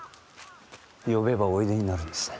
呼べばおいでになるんですね。